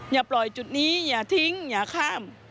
อย่าปล่อยจุดนี้อย่าทิ้งอย่าข้าม